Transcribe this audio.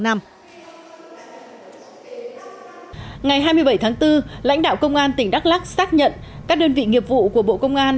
ngày hai mươi bảy tháng bốn lãnh đạo công an tỉnh đắk lắc xác nhận các đơn vị nghiệp vụ của bộ công an